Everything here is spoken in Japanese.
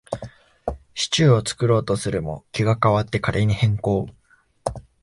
シチューを作ろうとするも、気が変わってカレーに変更